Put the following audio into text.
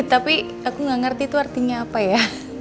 tapi aku nggak ngerti itu artinya apa ya